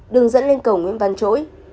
đường dẫn lên cầu nguyễn văn chỗi